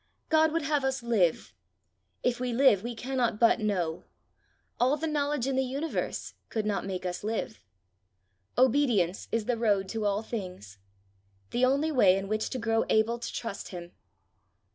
God would have us live: if we live we cannot but know; all the knowledge in the universe could not make us live. Obedience is the road to all things the only way in which to grow able to trust him.